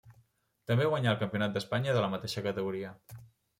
També guanyà el campionat d'Espanya de la mateixa categoria.